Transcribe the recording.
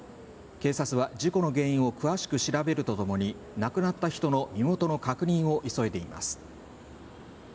警察は、事故の原因を詳しく調べるとともに、亡くなった人の身元の確認を急いでいます。